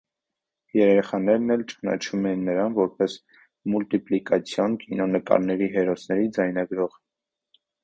Երեխաներն էլ ճանաչում են նրան որպես մուլտիպլիկացիոն կինոնկարների հերոսների ձայնագրող։